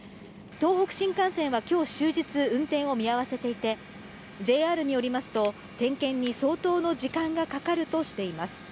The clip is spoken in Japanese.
東北新幹線はきょう終日運転を見合わせていて、ＪＲによりますと、点検に相当の時間がかかるとしています。